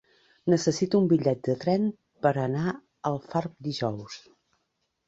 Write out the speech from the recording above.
Necessito un bitllet de tren per anar a Alfarb dijous.